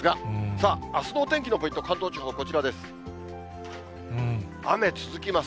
さあ、あすのお天気のポイント、関東地方、こちらです。